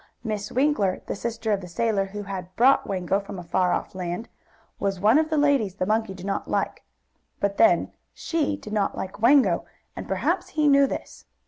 Miss Winkler, the sister of the sailor who had brought Wango from a far off land, was one of the ladies the monkey did not like. But then she did not like Wango, and perhaps he knew this.